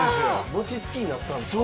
餅つきになったんですか？